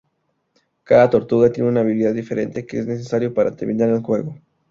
Cada tortuga tiene una habilidad diferente que es necesario para terminar el juego.